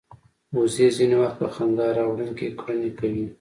وزې ځینې وخت په خندا راوړونکې کړنې کوي